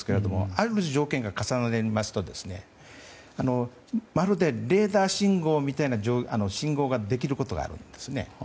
ある条件が重なりますとまるでレーダーみたいな信号ができることがあるんです。